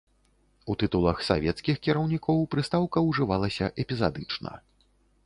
У тытулах свецкіх кіраўнікоў прыстаўка ўжывалася эпізадычна.